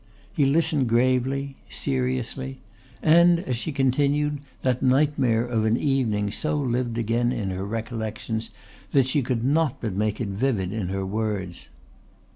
He listened gravely, seriously; and, as she continued, that nightmare of an evening so lived again in her recollections that she could not but make it vivid in her words.